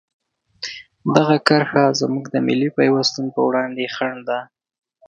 دغه کرښه زموږ د ملي پیوستون په وړاندې خنډ ده.